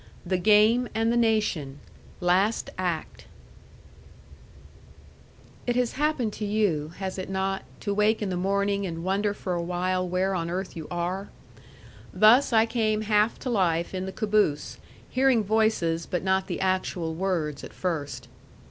XVI. THE GAME AND THE NATION LAST ACT It has happened to you, has it not, to wake in the morning and wonder for a while where on earth you are? Thus I came half to life in the caboose, hearing voices, but not the actual words at first.